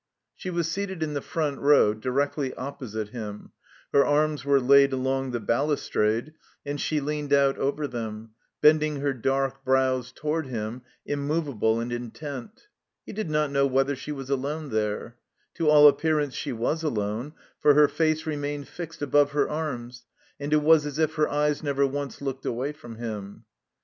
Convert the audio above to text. She was seated in the front row directly opposite him; her arms were laid along the balustrade, and she leaned out over them, bending her dark brows toward him, immovable and intent. He did not know whether she was alone there. To all appear ance she was alone, for her face remained fixed above her arms, and it was as if her eyes never once looked away from him.